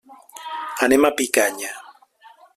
Anem a Picanya.